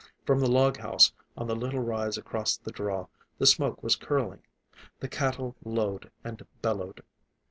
From the log house, on the little rise across the draw, the smoke was curling. The cattle lowed and bellowed.